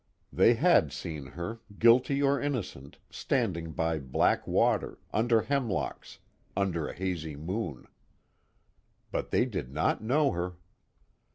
_ They had seen her, guilty or innocent, standing by black water, under hemlocks, under a hazy moon. But they did not know her.